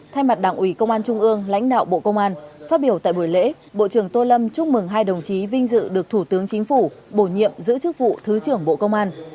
thay mặt đảng ủy công an trung ương lãnh đạo bộ công an phát biểu tại buổi lễ bộ trưởng tô lâm chúc mừng hai đồng chí vinh dự được thủ tướng chính phủ bổ nhiệm giữ chức vụ thứ trưởng bộ công an